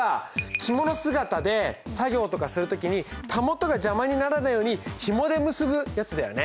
着物姿で作業とかする時に袂が邪魔にならないようにヒモで結ぶやつだよね。